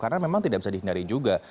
karena memang tidak bisa dihindari juga